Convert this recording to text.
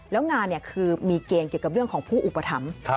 แล้วงานคือมีเกณฑ์เกี่ยวกับเรื่องของผู้อุปถัมภ์